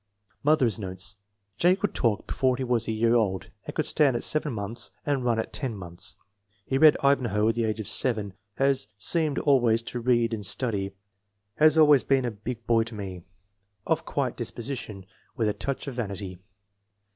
Mother's notes. 3. could talk before he was a year old, could stand at seven months and run at ten months. He read Ivanhoe at the age of 7. "Has seemed always to read and study. Has always been FORTY ONE SUPERIOR CHILDREN 215 a big boy to me." Of quiet disposition, without a touch of vanity.